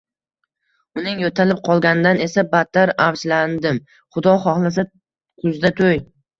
Uning yo`talib qolganidan esa battar avjlandim, Xudo xohlasa, kuzda to`y